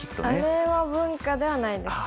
あれは文化ではないです。